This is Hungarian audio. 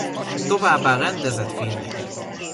Továbbá rendezett filmeket.